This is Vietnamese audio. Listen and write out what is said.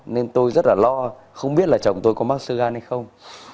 nên tôi rất là lo không biết là chồng tôi có mắc sơ gan hay không